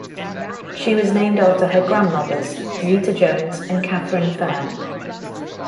She was named after her grandmothers, Zeta Jones and Catherine Fair.